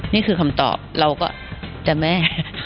นี่คือคำตอบเราก็จะแม่